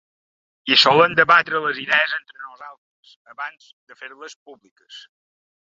I solem debatre les idees entre nosaltres abans de fer-les públiques.